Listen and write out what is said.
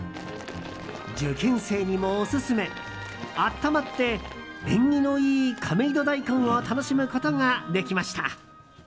受験生にもオススメ温まって縁起のいい亀戸大根を楽しむことができました。